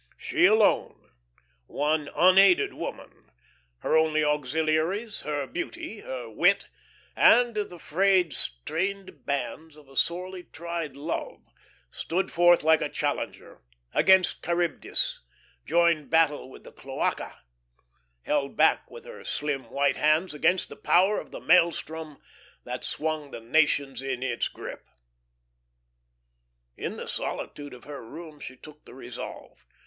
She alone, one unaided woman, her only auxiliaries her beauty, her wit, and the frayed, strained bands of a sorely tried love, stood forth like a challenger, against Charybdis, joined battle with the Cloaca, held back with her slim, white hands against the power of the maelstrom that swung the Nations in its grip. In the solitude of her room she took the resolve.